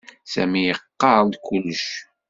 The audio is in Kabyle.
Sami iqarr-d kullec.